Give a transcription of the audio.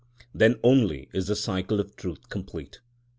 Then only is the Cycle of Truth complete.